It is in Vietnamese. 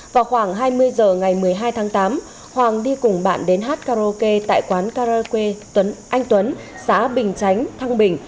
vào khoảng hai mươi h ngày một mươi hai tháng tám hoàng đi cùng bạn đến hát karaoke tại quán karaoke tuấn anh tuấn xã bình chánh thăng bình